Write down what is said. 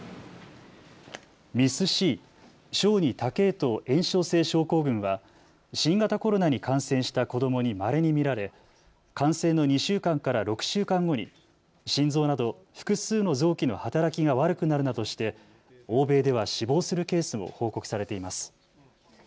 ＭＩＳーＣ・小児多系統炎症性症候群は新型コロナに感染した子どもにまれに見られ感染の２週間から６週間後に心臓など複数の臓器の働きが悪くなるなどして欧米では死亡するケースも報告されています。